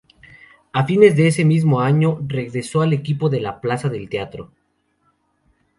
A fines de ese mismo año regresó al equipo de la 'Plaza del Teatro'.